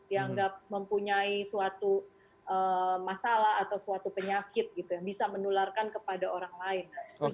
yang tidak mempunyai suatu masalah atau suatu penyakit yang bisa menularkan kepada orang lain